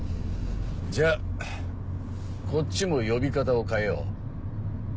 じゃあこっちも呼び方を変えよう。